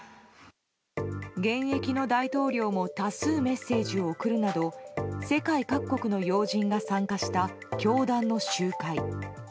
現役の大統領も多数メッセージを送るなど世界各国の要人が参加した教団の集会。